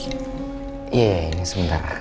iya ini sebentar